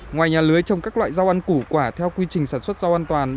ngoài nhà lưới trồng các loại rau ăn củ quả theo quy trình sản xuất rau an toàn